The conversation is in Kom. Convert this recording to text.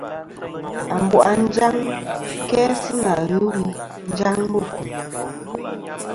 Ambu a njaŋ kæ sɨ nà ghɨ wi njaŋ bu kùm.